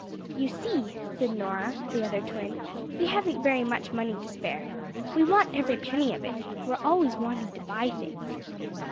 "You see," said Norah, the other twin, "we haven't very much money to spare. We want every penny of it. We're always wanting to buy things."